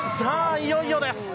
いよいよです。